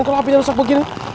kalau apinya rusak begini